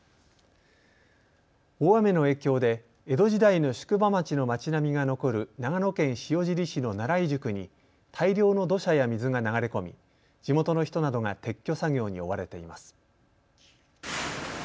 大雨の影響で江戸時代の宿場町の町並みが残る長野県塩尻市の奈良井宿に大量の土砂や水が流れ込み、地元の人などが撤去作業に追われています。